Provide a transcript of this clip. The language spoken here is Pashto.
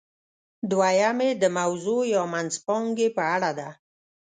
دویم یې د موضوع یا منځپانګې په اړه ده.